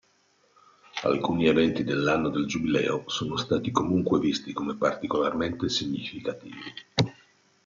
Alcuni eventi dell'anno del Giubileo sono stati comunque visti come particolarmente significativi.